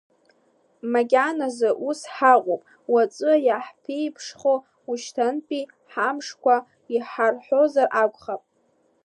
Макьаназы ус ҳаҟоуп, уаҵәы иаҳԥеиԥшхо ушьҭантәи ҳамшқәа иҳарҳәозар акәхап.